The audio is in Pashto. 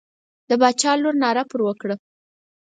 د باچا لور ناره پر وکړه.